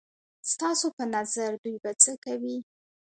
ستاسو په نظر دوی به څه کوي؟